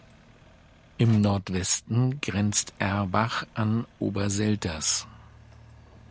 Im Nordwesten grenzt Erbach an Oberselters.